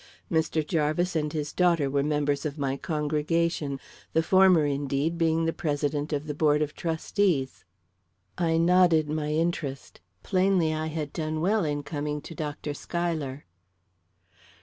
Mr. Jarvis and his daughter were members of my congregation the former, indeed, being the president of the board of trustees." I nodded my interest. Plainly I had done well in coming to Dr. Schuyler.